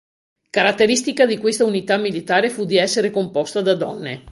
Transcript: Caratteristica di questa unità militare fu di essere composta da donne.